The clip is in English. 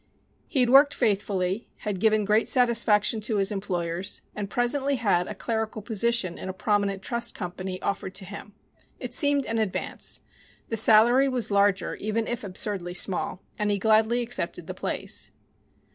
He had worked faithfully, had given great satisfaction to his employers, and presently had a clerical position in a prominent trust company offered to him. It seemed an advance. The salary was larger, even if absurdly small, and he gladly accepted the place.